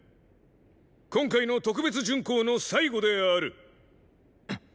今回の特別準功の最後である。